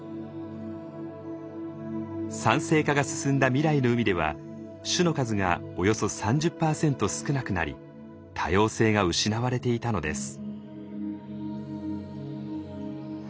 酸性化が進んだ未来の海では種の数がおよそ３０％少なくなり多様性が失われていたのです。